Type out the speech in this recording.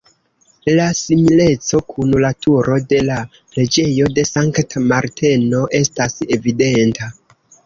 La simileco kun la Turo de la Preĝejo de Sankta Marteno estas evidenta.